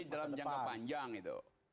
jadi dalam jangka panjang itu